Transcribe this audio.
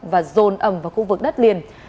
và rồn ẩm vào khu vực đất liền